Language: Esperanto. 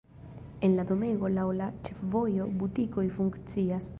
En la domego laŭ la ĉefvojo butikoj funkcias.